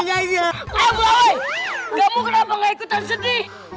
kamu kenapa gak ikutan sedih